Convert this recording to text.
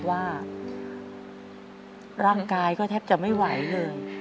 ว่าร่างกายก็แทบจะไม่ไหวเลย